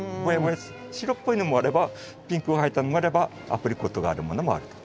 白っぽいのもあればピンクが入ったのもあればアプリコットがあるものもあると。